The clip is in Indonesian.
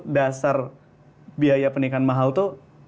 dasar biaya pernikahan mahal itu